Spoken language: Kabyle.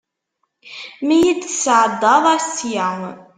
Mi yi-d-tesɛeddaḍ sya.